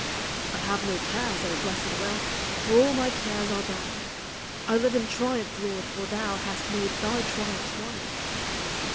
I have no cares, () blessed will ! For all my cares are thine : I live in triumph. Lord! for thou Hast made thy triumphs mine.